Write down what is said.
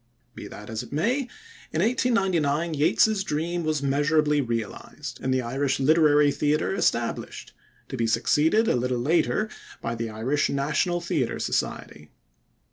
Be that as it may, in 1899 Yeats's dream was measurably realized, and the Irish Literary Theatre established, to be succeeded a little later by the Irish National Theatre Society.